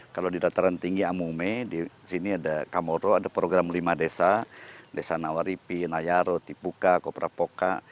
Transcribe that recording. kalau di dataran tinggi amome di sini ada kamoro ada program lima desa desa nawaripi nayaro tipuka koprapoka